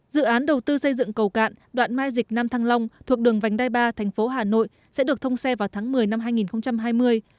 dự án đầu tư xây dựng cầu cạn đoạn mai dịch nam thăng long thuộc đường vành đai ba thành phố hà nội sẽ được thông xe vào tháng một mươi năm hai nghìn hai mươi